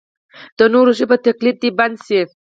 د نورو ژبو تقلید دې بند شي.